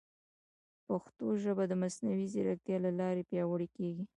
پښتو ژبه د مصنوعي ځیرکتیا له لارې پیاوړې کیږي.